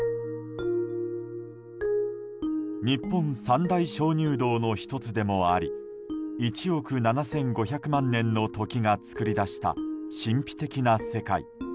日本三大鍾乳洞の１つでもあり１億７５００万年の時が作り出した神秘的な世界。